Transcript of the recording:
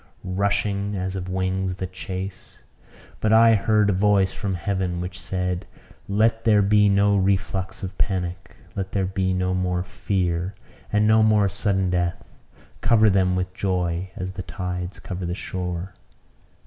rushing, as of wings that chase! But I heard a voice from heaven, which said "Let there be no reflux of panic let there be no more fear, and no more sudden death! Cover them with joy as the tides cover the shore!"